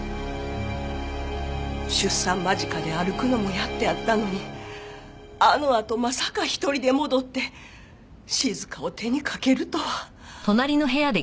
出産間近で歩くのもやっとやったのにあのあとまさか１人で戻って静香を手にかけるとは。